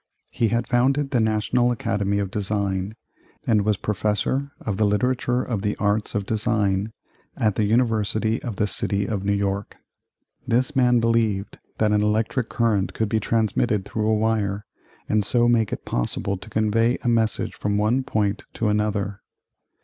He had founded the National Academy of Design and was Professor of the Literature of the Arts of Design at the University of the City of New York. This man believed that an electric current could be transmitted through a wire and so make it possible to convey a message from one point to another.